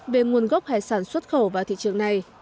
về nguồn gốc hải sản xuất khẩu vào thị trường này